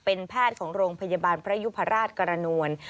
เป็นแพทย์ของโรงพยาบาลพระยุพราชกรณวล